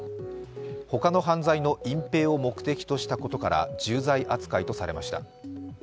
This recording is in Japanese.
ほかの犯罪の隠蔽を目的としたことから重罪扱いとされました。